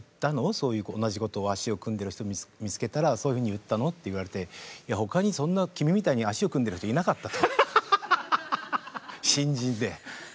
そういう足を組んでる人見つけたらそういうふうに言ったの？って言われて他に君みたいに足を組んでる人いなかったと新人で。